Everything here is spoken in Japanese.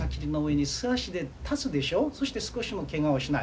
そして少しもケガをしない。